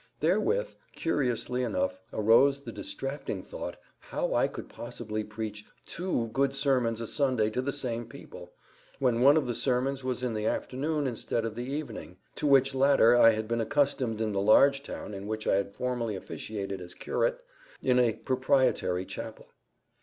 Therewith, curiously enough, arose the distracting thought how I could possibly preach TWO good sermons a Sunday to the same people, when one of the sermons was in the afternoon instead of the evening, to which latter I had been accustomed in the large town in which I had formerly officiated as curate in a proprietary chapel.